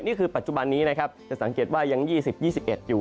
นี่คือปัจจุบันนี้จะสังเกตว่ายัง๒๐๒๑อยู่